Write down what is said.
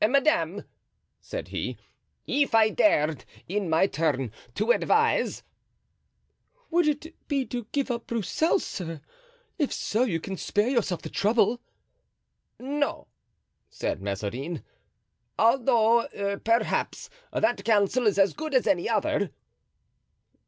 "Madame," said he, "if I dared in my turn advise——" "Would it be to give up Broussel, sir? If so, you can spare yourself the trouble." "No," said Mazarin; "although, perhaps, that counsel is as good as any other."